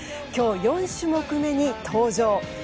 今日４種目めに登場。